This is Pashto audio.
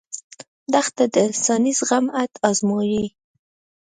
دښته د انساني زغم حد ازمويي.